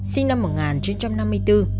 sinh năm một nghìn chín trăm năm mươi bốn